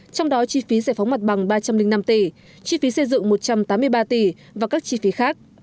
trong đó chi phí giải phóng mặt bằng ba trăm linh năm tỷ chi phí xây dựng một trăm tám mươi ba tỷ và các chi phí khác